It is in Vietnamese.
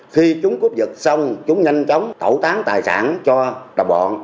khi chúng cướp giật xong chúng nhanh chóng tẩu tán tài sản cho đồng bọn